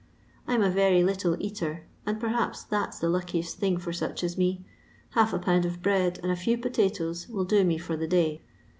I 'm a very little eater, and perhaps that 's the luckiest thing for such as me; hsif a pound of bread and a few potatoes will do me for the day.